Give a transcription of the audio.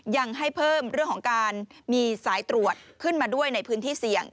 ยังให้เพิ่มเรื่องของการมีสายตรวจขึ้นมาด้วยในพื้นที่เสี่ยง